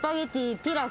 ピラフ。